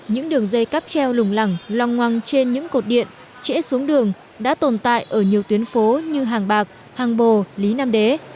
những đường dây cáp treo lùng lẳng lòng ngoăng trên những cột điện trễ xuống đường đã tồn tại ở nhiều tuyến phố như hàng bạc hàng bồ lý nam đế